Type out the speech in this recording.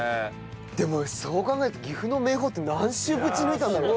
でもそう考えると岐阜の明宝って何週ぶち抜いたんだろうね。